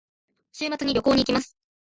週末に旅行に行きます。